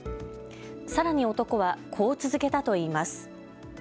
さらに男はこう続けたといいます。